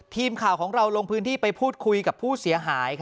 ทีมข่าวของเราลงพื้นที่ไปพูดคุยกับผู้เสียหาย